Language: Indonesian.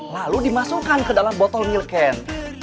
lalu dimasukkan ke dalam botol milk can